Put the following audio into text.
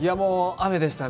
雨でしたね。